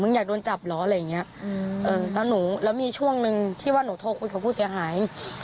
อยากโดนจับเหรออะไรอย่างเงี้ยอืมเออแล้วหนูแล้วมีช่วงหนึ่งที่ว่าหนูโทรคุยกับผู้เสียหาย